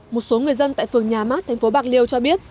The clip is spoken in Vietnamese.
một số người dân tại phường nhà mát thành phố bạc liêu cho biết